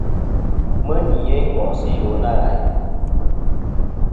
Mɨ nì yeyn ngo'sɨ iwo nâ ghàyn.